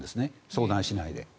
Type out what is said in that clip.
相談しないで。